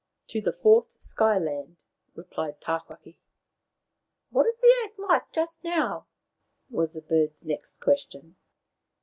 " To the fourth Sky land," replied Tawhaki. " What is the earth like just now ?" was the bird's next question.